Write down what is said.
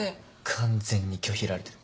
完全に拒否られてる。